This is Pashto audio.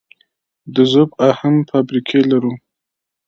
د ذوب اهن فابریکې لرو؟